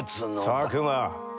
佐久間。